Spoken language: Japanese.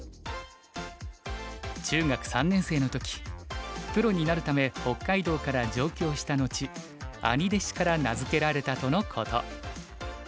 中学３年生の時プロになるため北海道から上京した後兄弟子から名づけられたとのこと。